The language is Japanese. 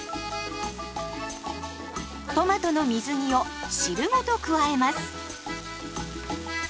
トマトの水煮を汁ごと加えます。